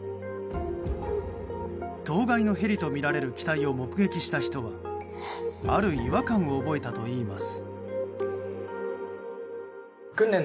当該のヘリとみられる機体を目撃した人はある違和感を覚えたといいます。